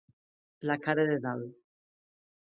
La cara de dalt.